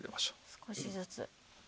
少しずつ。